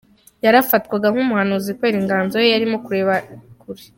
yarafatwaga nkumuhanuzi kubera inganzo ye yarimo kureba kure.